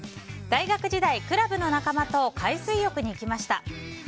大学時代、クラブの仲間と海水浴に行きました。